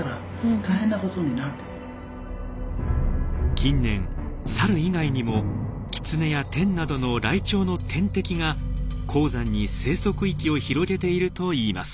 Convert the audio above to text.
近年サル以外にもキツネやテンなどのライチョウの天敵が高山に生息域を広げているといいます。